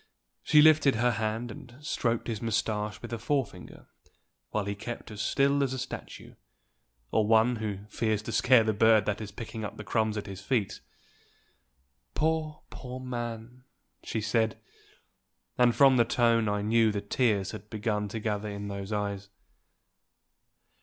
She lifted her hand, and stroked his mustache with a forefinger, while he kept as still as a statue, or one who fears to scare the bird that is picking up the crumbs at his feet. "Poor, poor man!" she said; and from the tone I knew the tears had begun to gather in those eyes.